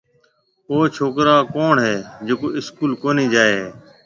او ڇوڪرا ڪوُڻ هيَ جڪو اسڪول ڪونِي جائي هيَ۔